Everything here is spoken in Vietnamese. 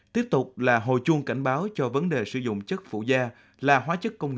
tiếp tục là hồi chuông cảnh báo cho vấn đề sản xuất